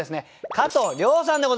加藤諒さんでございます。